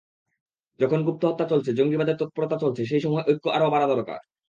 যখন গুপ্তহত্যা চলছে, জঙ্গিবাদের তৎপরতা চলছে, সেই সময় ঐক্য আরও বাড়া দরকার।